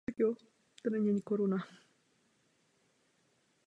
Kolegium rektora představuje poradní orgán rektora.